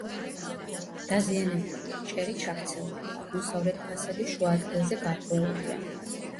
დაზიანებულია: ჭერი ჩაქცეულია, აღმოსავლეთ ფასადი შუა ადგილზე გარღვეულია.